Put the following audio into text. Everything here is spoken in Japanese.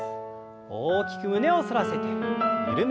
大きく胸を反らせて緩めます。